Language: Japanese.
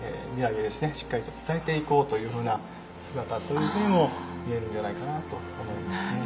しっかりと伝えていこうというふうな姿というふうにも見えるんじゃないかなと思いますね。